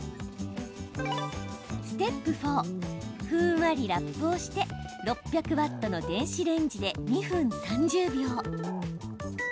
ステップ４ふんわりラップをして６００ワットの電子レンジで２分３０秒。